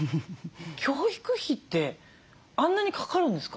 教育費ってあんなにかかるんですか？